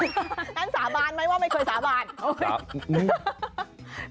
ฉันสาบานไหมว่าไม่เคยสาบาน